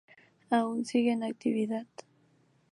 Aún sigue en actividad.